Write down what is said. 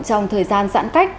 trong thời gian giãn cách